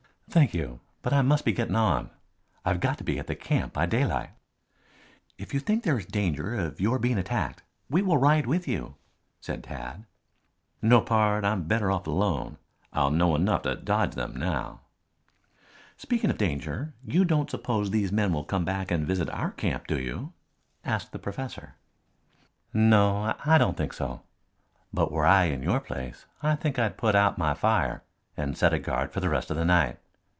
"Thank you, but I must be getting on. I've got to be at the camp by daylight." "If you think there is danger of your being attacked, we will ride with you," said Tad. "No, pard, I'm better off alone. I'll know enough to dodge them now." "Speaking of danger, you don't suppose these men will come back and visit our camp, do you?" asked the professor. "No, I don't think so. But were I in your place I think I'd put out my fire and set a guard for the rest of the night.